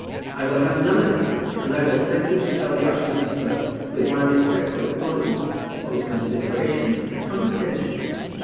I will have none of it, and I will thank you to tell the archdeacon so, with my respectful acknowledgments of his consideration and condescension.